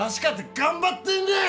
頑張ってんねん。